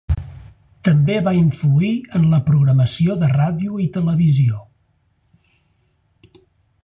També va influir en la programació de ràdio i televisió.